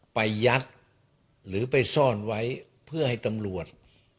ยัดหรือไปซ่อนไว้เพื่อให้ตำรวจ